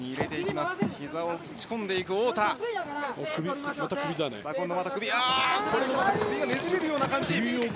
また、首がねじれるような感じ。